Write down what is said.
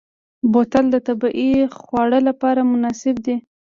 بوتل د طبعي خوړ لپاره مناسب دی.